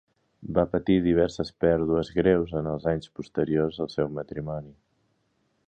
Va patir diverses pèrdues greus en els anys posteriors al seu matrimoni.